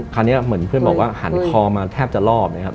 เหมือนเพื่อนบอกว่าหันคอมาแทบจะรอบเลยครับ